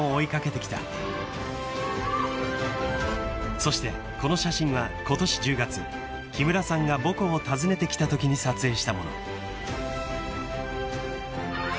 ［そしてこの写真はことし１０月木村さんが母校を訪ねてきたときに撮影したもの］